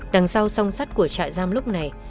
đằng sau song sắt của trại giam lúc này